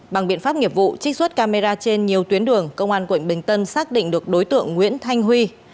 bằng biện pháp nghiệp vụ trích xuất camera trên nhiều tuyến đường công an quận bình tân xác định được đối tượng nguyễn thanh huy